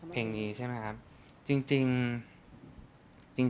เพลงนี้ใช่ไหมครับจริง